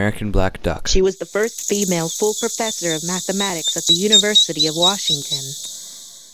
She was the first female full professor of mathematics at the University of Washington.